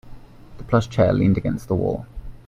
The plush chair leaned against the wall.